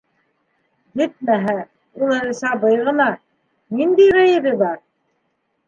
Етмәһә, ул әле сабый ғына, ниндәй ғәйебе бар?